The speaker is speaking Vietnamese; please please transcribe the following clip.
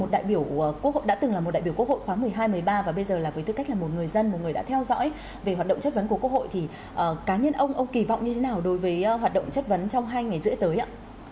một đại biểu quốc hội đã từng là một đại biểu quốc hội khóa một mươi hai một mươi ba và bây giờ là với tư cách là một người dân một người đã theo dõi về hoạt động chất vấn của quốc hội thì cá nhân ông ông kỳ vọng như thế nào đối với hoạt động chất vấn trong hai ngày rưỡi tới ạ